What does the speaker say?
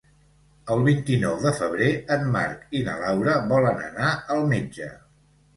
El vint-i-nou de febrer en Marc i na Laura volen anar al metge.